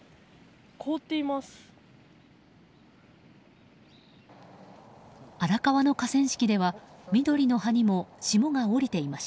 凍っています。